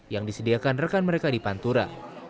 yang disediakan rekan mereka di pantura